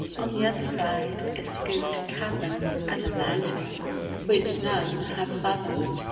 On the other side Is scooped a cavern and a mountain hall, Which none have fathom'd.